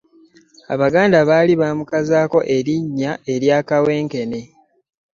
Abaganda baalli baamukazaako erinnya erya "Kawenkene".